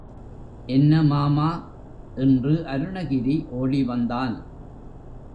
என்ன மாமா? என்று அருணகிரி ஓடி வந்தான்.